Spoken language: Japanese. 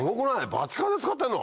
バチカンで使ってんの？